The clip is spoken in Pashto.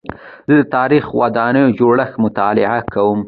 زه د تاریخي ودانیو جوړښت مطالعه کوم.